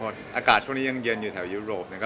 เก๋จะมีโอกาสได้ชุดคู่กับผู้ชายที่สุดของเก๋